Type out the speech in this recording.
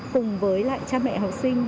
cùng với lại cha mẹ học sinh